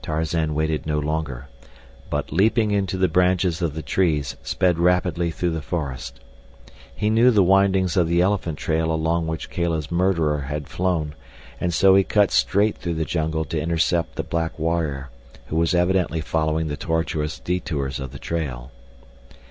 Tarzan waited no longer, but leaping into the branches of the trees sped rapidly through the forest. He knew the windings of the elephant trail along which Kala's murderer had flown, and so he cut straight through the jungle to intercept the black warrior who was evidently following the tortuous detours of the trail.